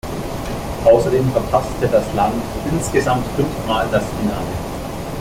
Außerdem verpasste das Land insgesamt fünfmal das Finale.